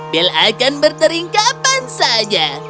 bel akan berteringkapan saja